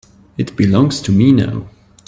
It belongs to me now.